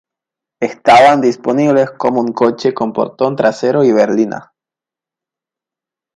Estaban disponibles como un coche con portón trasero y berlina.